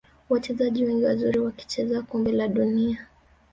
wachezaji wengi wazuri wakicheza kombe la dunia